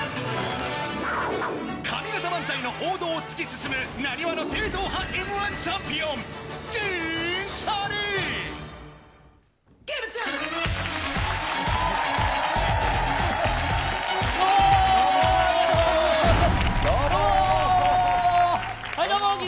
上方漫才の王道を突き進むなにわの正統派Ｍー１チャンピオン、銀シャリ。